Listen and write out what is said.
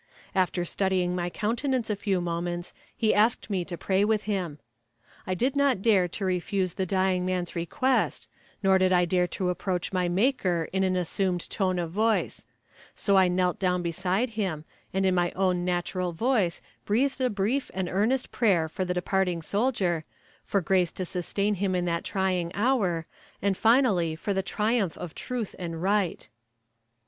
After studying my countenance a few moments he asked me to pray with him. I did not dare to refuse the dying man's request, nor did I dare to approach my Maker in an assumed tone of voice; so I knelt down beside him, and in my own natural voice breathed a brief and earnest prayer for the departing soldier, for grace to sustain him in that trying hour, and finally for the triumph of truth and right.